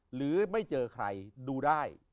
หรือไม่เจอใครดูได้